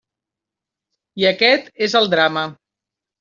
I aquest és el drama.